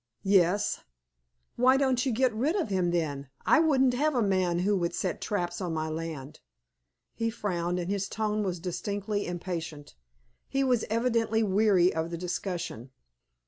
"Yes." "Why don't you get rid of him, then? I wouldn't have a man who would set traps on my land." He frowned, and his tone was distinctly impatient. He was evidently weary of the discussion.